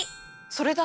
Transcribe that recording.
それだ！